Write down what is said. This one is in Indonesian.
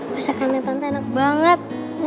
masakannya tante enak banget